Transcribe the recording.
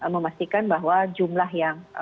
memastikan bahwa jumlah yang